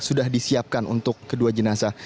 sudah disiapkan untuk kedua jenazah